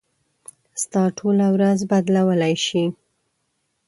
ستا ټوله ورځ بدلولی شي.